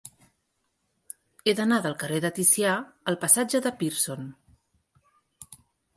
He d'anar del carrer de Ticià al passatge de Pearson.